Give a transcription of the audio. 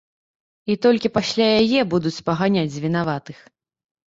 І толькі пасля яе будуць спаганяць з вінаватых.